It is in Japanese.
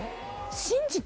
信じて。